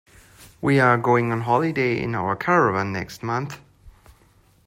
We're going on holiday in our caravan next month